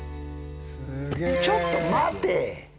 ちょっと待てぃ！！